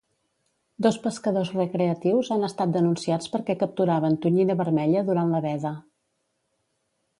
Dos pescadors recreatius han estat denunciats perquè capturaven tonyina vermella durant la veda.